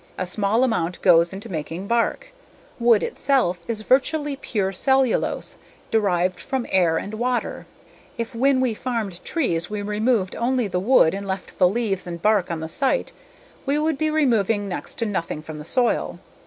A small amount goes into making bark. Wood itself is virtually pure cellulose, derived from air and water. If, when we farmed trees, we removed only the wood and left the leaves and bark on the site, we would be removing next to nothing from the soil.